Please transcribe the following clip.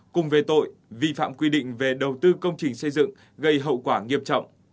cùng về tội vi phạm quy định về đầu tư công trình xây dựng gây hậu quả nghiêm trọng